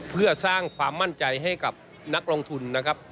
เพื่อสร้างความมั่นใจให้กับนักลงทุนนะครับ